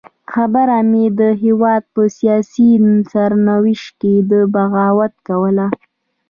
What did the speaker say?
خبره مې د هېواد په سیاسي سرنوشت کې د بغاوت کوله.